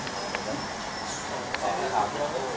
สวัสดีครับ